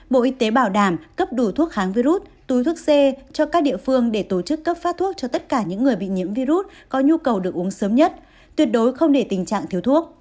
bộ y tế bảo đảm cấp đủ thuốc kháng virus túi thuốc c cho các địa phương để tổ chức cấp phát thuốc cho tất cả những người bị nhiễm virus có nhu cầu được uống sớm nhất tuyệt đối không để tình trạng thiếu thuốc